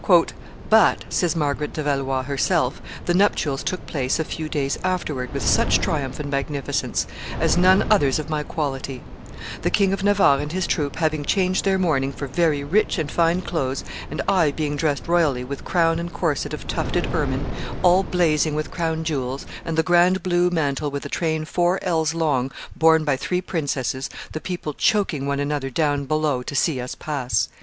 "But," says Marguerite de Valois herself, "the nuptials took place a few days afterwards with such triumph and magnificence as none others of my quality; the King of Navarre and his troop having changed their mourning for very rich and fine clothes, and I being dressed royally, with crown and corset of tufted ermine, all blazing with crown jewels, and the grand blue mantle with a train four ells long borne by three princesses, the people choking one another down below to see us pass."